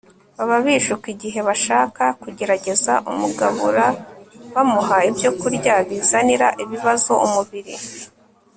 baba bishuka igihe bashaka kugerageza umugabura bamuha ibyokurya bizanira ibibazo umubiri